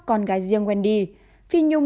con gái riêng wendy phi nhung